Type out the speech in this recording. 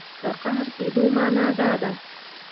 په قهر کېدو معنا دا ده.